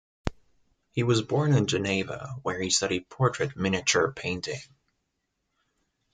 He was born in Geneva, where he studied portrait miniature painting.